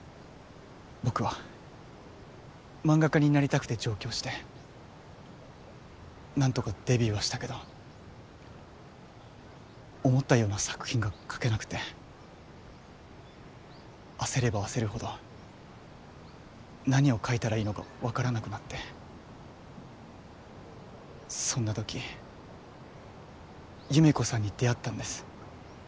僕は漫画家になりたくて上京してなんとかデビューはしたけど思ったような作品が描けなくて焦れば焦るほど何を描いたらいいのか分からなくなってそんなとき優芽子さんに出会ったんです